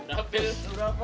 apalagi pak amir